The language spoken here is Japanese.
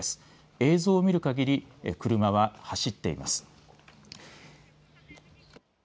映像を見るかぎり車は走っています。